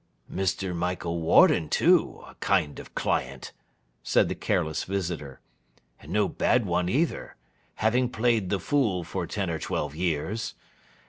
'Mr. Michael Warden too, a kind of client,' said the careless visitor, 'and no bad one either: having played the fool for ten or twelve years.